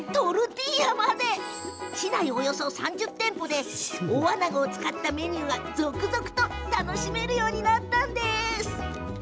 およそ３０店舗で大あなごを使ったメニューが続々と楽しめるようになったんです。